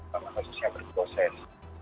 sama khususnya berkoses